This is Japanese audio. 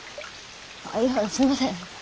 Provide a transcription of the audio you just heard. あっいやすいません。